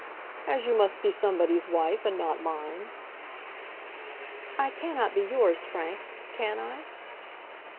"As you must be somebody's wife, and not mine." "I cannot be yours, Frank; can I?"